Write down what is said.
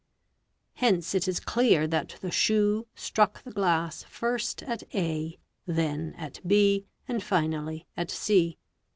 Hence it is clear that the shoe struck the glass first at a, then at 0, hig. 58. and finally at c.